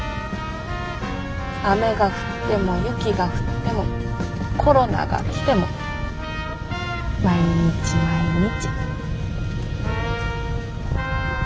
雨が降っても雪が降ってもコロナが来ても毎日毎日。